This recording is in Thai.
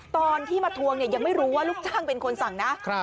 ตอนที่มาทวงเนี่ยยังไม่รู้ว่าลูกจ้างเป็นคนสั่งนะ